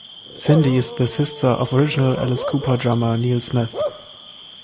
Cindy is the sister of original Alice Cooper drummer Neal Smith.